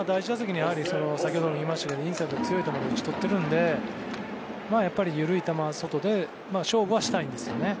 第１打席、先ほども言いましたがインサイドの強いボールで打ち取ってるんで緩い球を外で勝負はしたいんですよね。